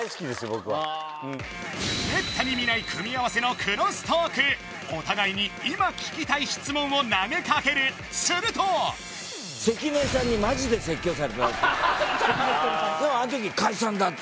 僕はうんめったに見ない組み合わせのクロストークお互いに今聞きたい質問を投げかけるすると関根さんにマジで説教された関根勤さんあの時解散だって言ったもんね